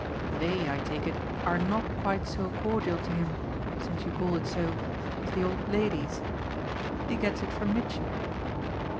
They, I take it, are not quite so cordial to him, since you call it so, as the old ladies. He gets it from Mitchy."